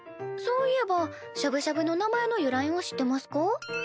そういえばしゃぶしゃぶの名前の由来を知ってますか？